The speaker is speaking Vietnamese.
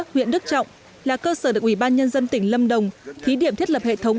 huyện đức trọng là cơ sở được ủy ban nhân dân tỉnh lâm đồng thí điểm thiết lập hệ thống